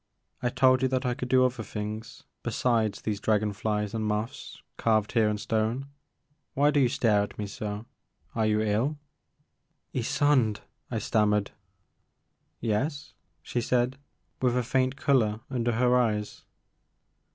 I told you that I could do other things besides these dragon flies and moths carved here in stone. Why do you stare at me so ? Are you ill ?*' Ysonde," I stammered. Yes," she said, with a faint color tmder her eyes.